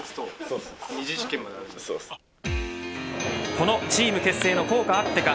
このチーム結成の効果あってか